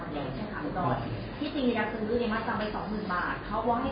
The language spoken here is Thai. บ้านสั่นที่ทุกคนค่อนข้างซื้อ